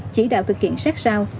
chỉ đạo thực hiện sát sao